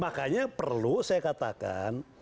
makanya perlu saya katakan